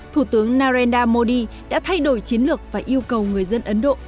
thủ tướng narendra modi đã thay đổi chiến lược và yêu cầu người dân ấn độ